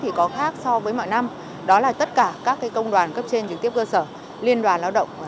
thì có khác so với mọi năm đó là tất cả các công đoàn cấp trên trực tiếp cơ sở liên đoàn lao động